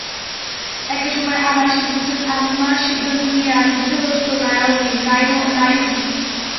একটা সময় আমার সিদ্ধান্ত নিয়ে আমি দ্বিধাগ্রস্থ, নাইয়োবি।